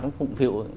nó phụng phiệu